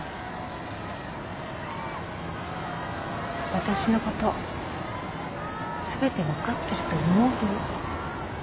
私のこと全て分かってると思う？